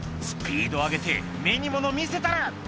「スピード上げて目にもの見せたる」